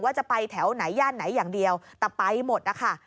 จะไปแถวไหนย่านไหนอย่างเดียวแต่ไปหมดนะคะ